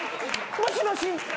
もしもし。